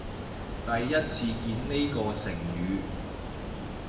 第一次見呢個成語